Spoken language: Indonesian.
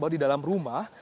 bahwa di dalam rumah